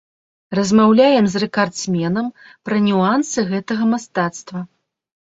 Размаўляем з рэкардсменам пра нюансы гэтага мастацтва.